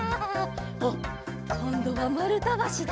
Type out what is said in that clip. あっこんどはまるたばしだ。